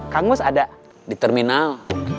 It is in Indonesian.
kang ngus ada di terminal